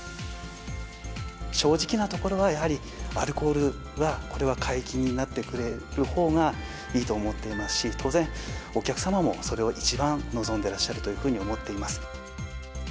正直なところはやはり、アルコールはこれは解禁になってくれるほうがいいと思っていますし、当然、お客様もそれを一番望んでらっしゃるというふうに思っています。